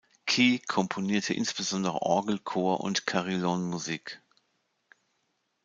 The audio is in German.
Kee komponierte insbesondere Orgel-, Chor- und Carillon-Musik.